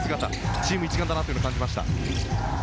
チーム一丸だなと感じました。